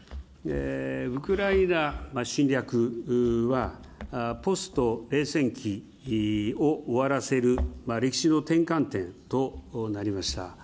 ウクライナ侵略は、ポスト冷戦期を終わらせる歴史の転換点となりました。